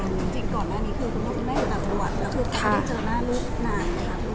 จริงก่อนหน้านี้คือคุณพ่อคุณแม่อยู่ต่างจังหวัดแล้วคือการเจอหน้าลูกนานไหมคะ